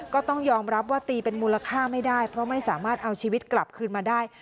ก็ต้องยอมรับว่าตีเป็นมูลค่าไม่ได้เพราะไม่สามารถเอาชีวิตกลับคืนมาได้